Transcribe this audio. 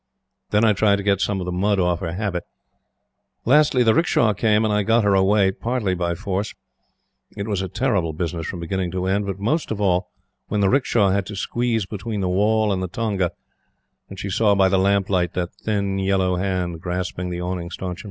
Then I tried to get some of the mud off her habit. Lastly, the 'rickshaw came, and I got her away partly by force. It was a terrible business from beginning to end; but most of all when the 'rickshaw had to squeeze between the wall and the tonga, and she saw by the lamp light that thin, yellow hand grasping the awning stanchion.